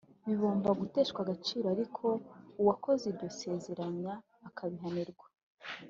Bibomba guteshwa agaciro ariko uwakoze iryo sezeranya akabihanirwa